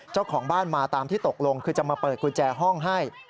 เจ้าของบ้านมาตามที่ตกลงคือจะมาเปิดกุญแจห้องให้